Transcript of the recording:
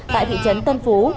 tại thị trấn tân phú